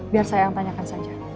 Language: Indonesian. biar saya yang tanyakan saja